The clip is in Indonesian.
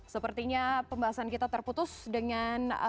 setelah kterima kalinya selesai